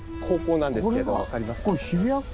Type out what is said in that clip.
高校なんですけど分かりますか？